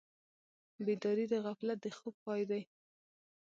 بیداري د غفلت د خوب پای دی.